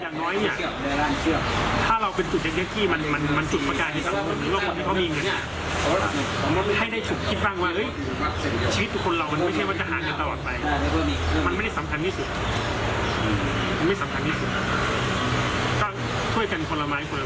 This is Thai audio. คนที่เข้าร่วมกับการต่างคน